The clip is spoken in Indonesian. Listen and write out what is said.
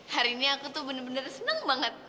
hari ini aku tuh bener bener senang banget